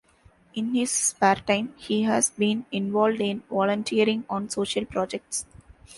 In his spare time, he has been involved in volunteering on social projects.